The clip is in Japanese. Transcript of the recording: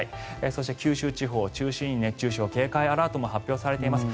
そして九州地方を中心に熱中症警戒アラートも発表されています。